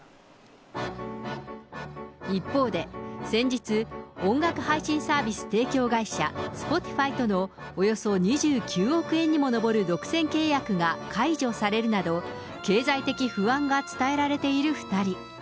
一方で、先日、音楽配信サービス提供会社、Ｓｐｏｔｉｆｙとのおよそ２９億円にも上る独占契約が解除されるなど、経済的不安が伝えられている２人。